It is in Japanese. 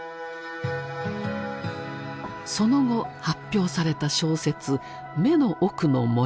その後発表された小説「眼の奥の森」。